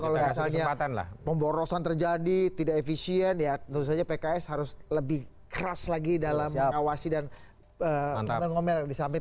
kalau misalnya pemborosan terjadi tidak efisien ya tentu saja pks harus lebih keras lagi dalam mengawasi dan mengomel di samping